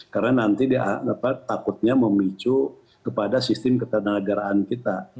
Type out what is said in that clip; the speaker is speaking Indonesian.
karena nanti takutnya memicu kepada sistem ketenagaraan kita